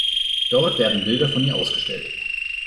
Dort werden Bilder von ihr ausgestellt.